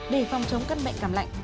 đề phòng chống các bệnh cảm lạnh